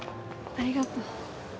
ありがとう。